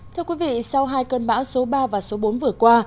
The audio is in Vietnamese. thưa quý vị sau hai cơn bão số ba và số bốn vừa qua